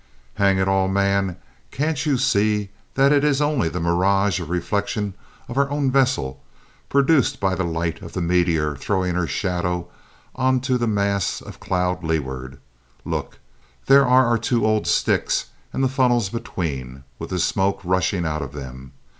"Hang it all, man, can't you see that it is only the mirage or reflection of our own vessel, produced by the light of the meteor throwing her shadow on to the mass of cloud leeward? Look, there are our two old sticks and the funnels between, with the smoke rushing out of them!